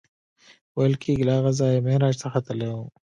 ویل کېږي له هغه ځایه معراج ته ختلی و.